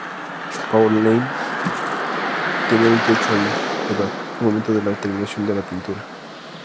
Pauline tenía veintiocho años de edad al momento de la terminación de la pintura.